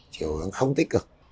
chiều hướng không tích cực